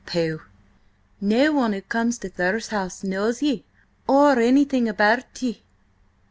"Pooh! No one who comes to Thurze House knows ye or anything about ye.